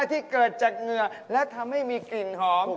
ที่เกิดจากเหงื่อและทำให้มีกลิ่นหอม